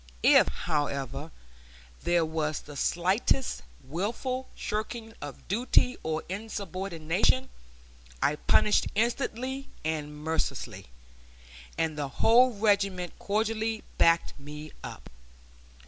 If, however, there was the slightest willful shirking of duty or insubordination, I punished instantly and mercilessly, and the whole regiment cordially backed me up.